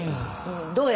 どうや？